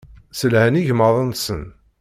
Sselhan igmaḍ-nsen.